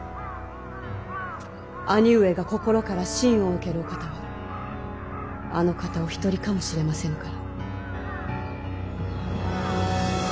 兄上が心から信を置けるお方はあの方お一人かもしれませぬから。